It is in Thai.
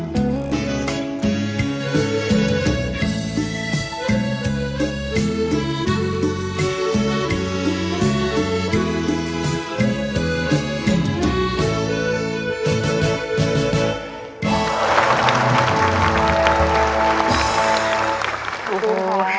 เพลงนี้ก็มูลค่า๔หมื่นบาท